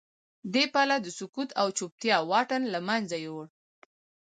دې پله د سکوت او چوپتیا واټن له منځه یووړ